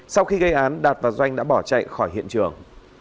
sau khi gây án đạt và doanh đã bỏ chạy khỏi hiện trường